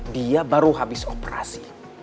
dia baru habis operasi